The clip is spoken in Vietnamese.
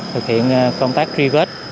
thực hiện công tác tri vết